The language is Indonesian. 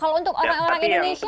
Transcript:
kalau untuk orang orang indonesia